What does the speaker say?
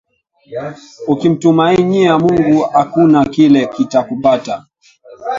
Ukimtumainiye Mungu akuna kile kita kupata